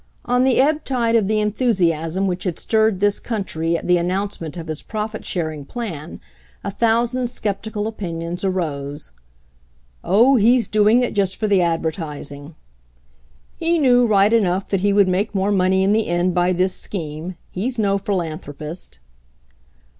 On the ebb tide of the enthusiasm which had stirred this country at the announcement of his profit sharing plan a thousand skeptical opinions arose. "Oh, he's doing it just for the advertis ing." "He knew, right enough, that he would make more money in the end by this scheme —» he's no philanthropist."